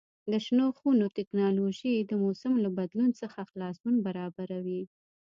د شنو خونو تکنالوژي د موسم له بدلون څخه خلاصون برابروي.